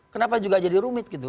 kenapa juga jadi rumit gitu